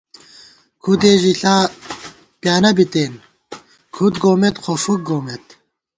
کھُدے ژِلا پیانہ بِتېن، کھُد گومېت خو فُک گومېت